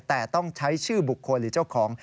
แต่ต้องใช้ชื่อบุคคลหรือเจ้าของ